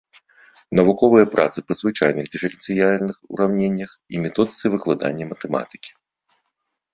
Навуковыя працы па звычайных дыферэнцыяльных ураўненнях і методыцы выкладання матэматыкі.